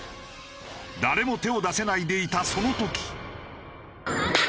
誰も手を出せないでいたその時。